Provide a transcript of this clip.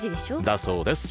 だそうです